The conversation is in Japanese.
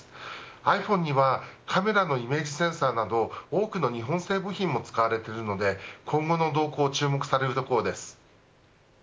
ｉＰｈｏｎｅにはカメラのイメージセンサーなど多くの日本製部品も使われているので、今後の動向が注目されるところです。